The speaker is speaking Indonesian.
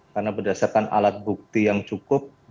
karena berdasarkan alat bukti yang cukup